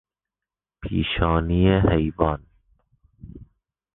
پیشانی حیوان